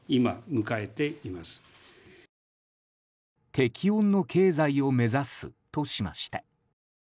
適温の経済を目指すとしました。